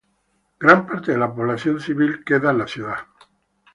Por otra parte gran parte de la población civil que de la ciudad.